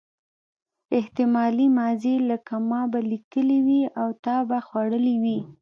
احتمالي ماضي لکه ما به لیکلي وي او تا به خوړلي وي.